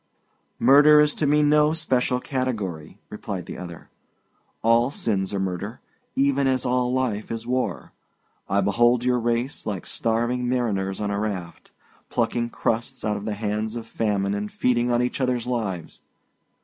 "Murder is to me no special category," replied the other. "All sins are murder, even as all life is war. I behold your race, like starving mariners on a raft, plucking crusts out of the hands of famine and feeding on each other's lives.